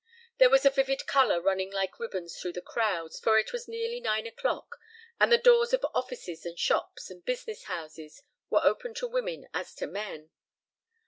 There was a vivid color running like ribbons through the crowds, for it was nearly nine o'clock and the doors of offices and shops and business houses were open to women as to men.